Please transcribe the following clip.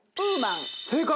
正解！